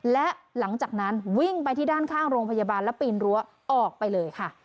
และหลังจากนั้นวิ่งไปที่ด้านข้างโรงพยาบาลแล้วปีนรั้วออกไปเลยค่ะ